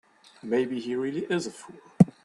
Maybe he really is a fool.